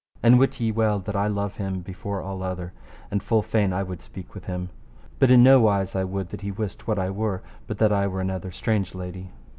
And wit ye well that I love him before all other, and full fain I would speak with him. But in nowise I would that he wist what I were, but that I were another strange lady.